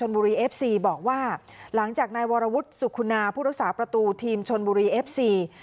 เอฟซีบอกว่าหลังจากนายวรวุฒิสุคุณาผู้รักษาประตูทีมชนบุรีเอฟซี